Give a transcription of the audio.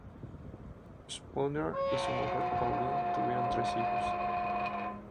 Spooner y su mujer Pauline tuvieron tres hijos.